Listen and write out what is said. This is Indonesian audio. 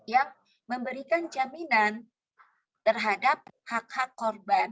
yang memberikan jaminan terhadap hak hak korban